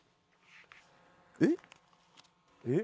えっ？